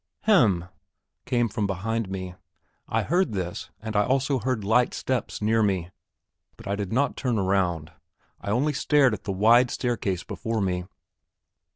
"Hem!" came from behind me. I heard this, and I also heard light steps near me, but I did not turn round, I only stared up at the wide staircase before me.